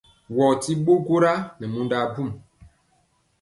Wɔɔ ti ɓo gwora nɛ mundɔ abum.